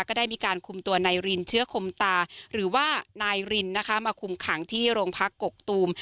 ก็ได้มีการคุมตัวนายรินเชื้อคมตาหรือว่านายรินนะคะมาคุมขังที่โรงพักกกตูม